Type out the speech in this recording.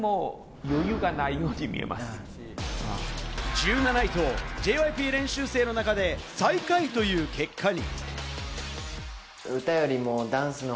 １７位と、ＪＹＰ練習生の中で最下位という結果に。